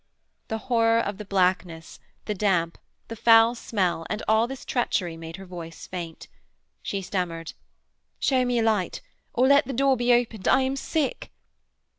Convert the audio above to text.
The horror of the blackness, the damp, the foul smell, and all this treachery made her voice faint. She stammered: 'Shew me a light, or let the door be opened. I am sick.'